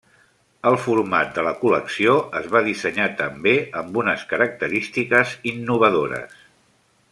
El format de la col·lecció es va dissenyar també amb unes característiques innovadores.